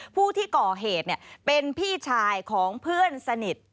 ผู้ที่ก่อเหตุเป็นพี่ชายของเพื่อนสนิท